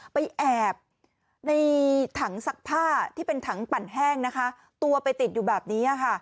ไปแอบในถังซักผ้าที่เป็นถังปั่นแห้งนะคะตัวไปติดอยู่แบบนี้ค่ะ